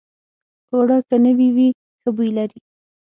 اوړه که نوي وي، ښه بوی لري